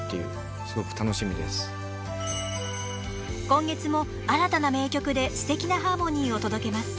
［今月も新たな名曲ですてきなハーモニーを届けます］